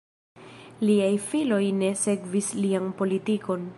Liaj filoj ne sekvis lian politikon.